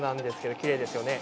きれいですよね。